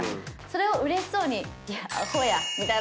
それをうれしそうに。